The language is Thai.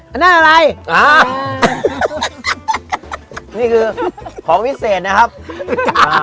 อันนั้นอะไรอ่านี่คือของวิเศษนะครับอ่า